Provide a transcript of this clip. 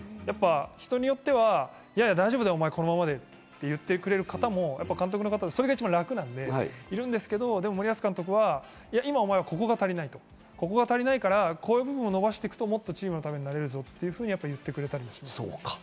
人によっては、いやいや大丈夫だ、お前このままでって言ってくれる方も、それが一番楽なんでいるんですけど、森保監督は今、お前はここが足りない、ここを伸ばしていくともっとチームのためになれるぞと言ってくれたりします。